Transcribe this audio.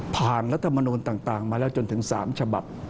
ผ่านรัฐธรรมนูลต่างมาแล้วจนถึง๓ฉบับ